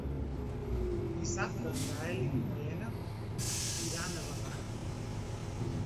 Dissabte en Gaël i na Lena iran a Bagà.